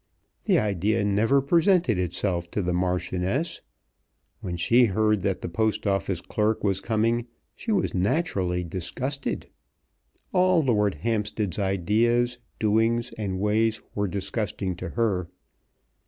The idea never presented itself to the Marchioness. When she heard that the Post Office clerk was coming she was naturally disgusted. All Lord Hampstead's ideas, doings, and ways were disgusting to her.